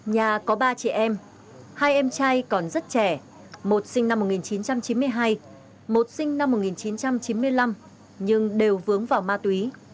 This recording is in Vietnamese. nhà có ba chị em hai em trai còn rất trẻ một sinh năm một nghìn chín trăm chín mươi hai một sinh năm một nghìn chín trăm chín mươi năm nhưng đều vướng vào ma túy